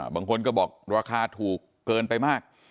บางคนก็บอกราคาถูกเกินไปมาก